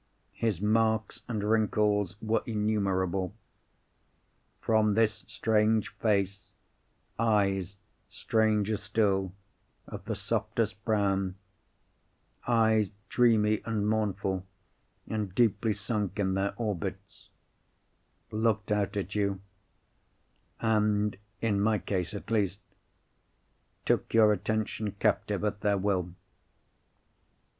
His marks and wrinkles were innumerable. From this strange face, eyes, stranger still, of the softest brown—eyes dreamy and mournful, and deeply sunk in their orbits—looked out at you, and (in my case, at least) took your attention captive at their will.